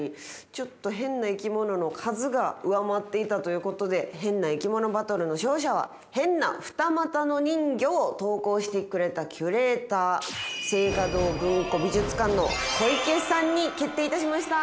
ちょっとヘンな生きものの数が上回っていたということでヘンな生きものバトルの勝者はヘンな二股の人魚を投稿してくれたキュレーター静嘉堂文庫美術館の小池さんに決定いたしました！